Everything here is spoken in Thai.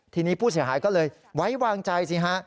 ทีนี้ผู้เสียหายก็เลยไว้วางใจสิฮะ